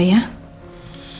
senang kalau kamu mau usahakan